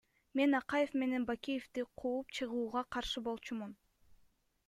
Мен Акаев менен Бакиевди кууп чыгууга каршы болчумун.